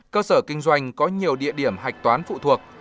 cơ sở kinh doanh có nhiều địa điểm hạch toán phụ thuộc